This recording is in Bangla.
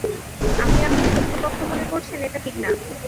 আপনি আমাকে শত্রুপক্ষ মনে করছেন, এটা ঠিক না।